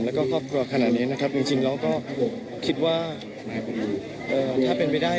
แล้วก็ครอบครัวขณะนี้นะครับจริงแล้วก็คิดว่าถ้าเป็นไปได้